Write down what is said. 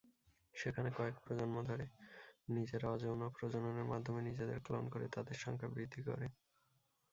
সেখানে কয়েক প্রজন্ম ধরে নিজেরা অযৌন প্রজননের মাধ্যমে নিজেদের ক্লোন করে, তাদের সংখ্যা বৃদ্ধি করে।